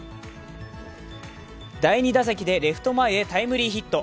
第２打席でレフト前へタイムリーヒット。